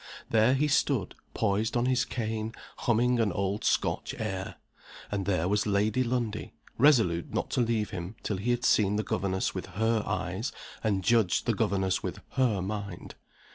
There he stood, poised on his cane, humming an old Scotch air. And there was Lady Lundie, resolute not to leave him till he had seen the governess with her eyes and judged the governess with her mind.